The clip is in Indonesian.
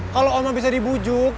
kalau oma bisa dibujuk